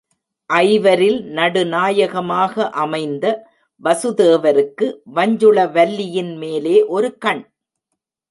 ஐவரில் நடுநாயகமாக அமைந்த வசுதேவருக்கு வஞ்சுள வல்லியின் மேலே ஒரு கண்.